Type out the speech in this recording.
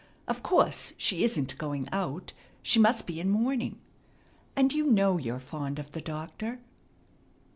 Of course she isn't going out. She must be in mourning. And you know you're fond of the doctor."